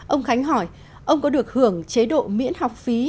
ông khánh hỏi ông có được hưởng chế độ miễn học phí